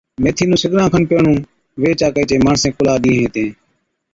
ميٿِي نُون سِگڙان کن پيھڻُون ويھچ آڪھِي چين ماڻسين ڪُلھا ڏيئَين ھِتين